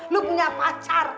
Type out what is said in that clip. lo punya pacar